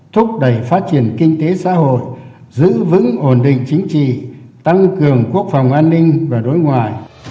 thúc đẩy phát triển kinh tế xã hội giữ vững ổn định chính trị tăng cường quốc phòng an ninh và đối ngoại